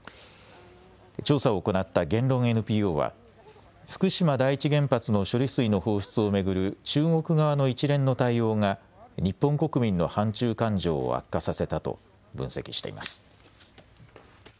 調査を行った言論ＮＰＯは福島第一原発の処理水の放出を巡る中国側の一連の対応が日本国民の反中感情を悪化させたと分析しています。